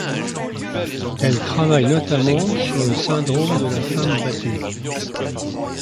Elle travaille notamment sur le syndrome de la femme battue.